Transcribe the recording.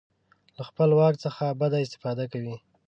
له خپل واک څخه بده استفاده کوي.